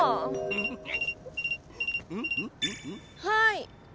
はい。